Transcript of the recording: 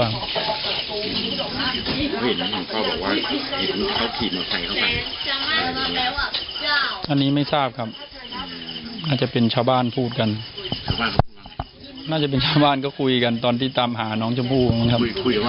อันนี้ไม่ทราบครับน่าจะเป็นชาวบ้านพูดกันน่าจะเป็นชาวบ้านก็คุยกันตอนที่ตามหาน้องจมภูมิครับ